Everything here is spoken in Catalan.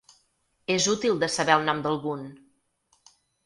És útil de saber el nom d’algun.